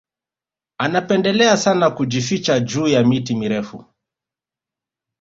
Anapendelea sana kujificha juu ya miti mirefu